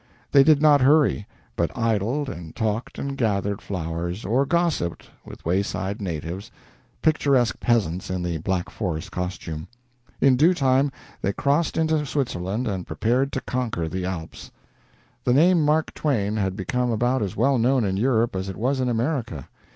They did not hurry, but idled and talked and gathered flowers, or gossiped with wayside natives picturesque peasants in the Black Forest costume. In due time they crossed into Switzerland and prepared to conquer the Alps. The name Mark Twain had become about as well known in Europe as it was in America.